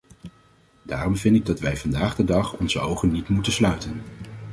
Daarom vind ik dat wij vandaag de dag onze ogen niet moeten sluiten.